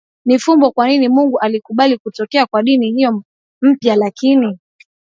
ni fumbo kwa nini Mungu alikubali kutokea kwa dini hiyo mpya Lakini